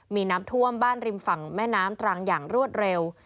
มีน้ำท่วมบ้านริมฝั่งแม่น้ำตรังอย่างรวดเร็ว